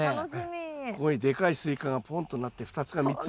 ここにでかいスイカがポンとなって２つか３つ。